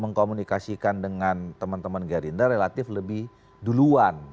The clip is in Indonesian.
mengkomunikasikan dengan teman teman gerindra relatif lebih duluan